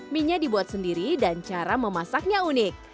mie nya dibuat sendiri dan cara memasaknya unik